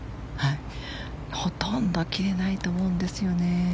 ほとんど切れないと思うんですね。